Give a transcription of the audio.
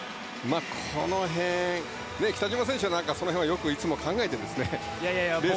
この辺、北島選手はその辺はよくいつも考えてレースしていると思うんですよ。